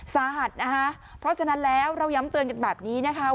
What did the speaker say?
สาหัสนะคะเพราะฉะนั้นแล้วเราย้ำเตือนกันแบบนี้นะคะ